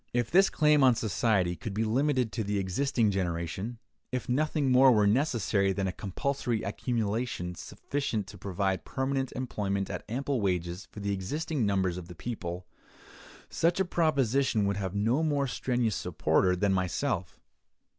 If this claim on society could be limited to the existing generation; if nothing more were necessary than a compulsory accumulation, sufficient to provide permanent employment at ample wages for the existing numbers of the people; such a proposition would have no more strenuous supporter than myself.